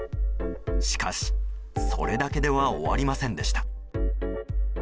しかし、それだけでは終わりませんでした。